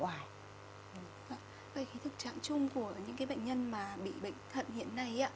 vậy cái tình trạng chung của những bệnh nhân bị bệnh thận hiện nay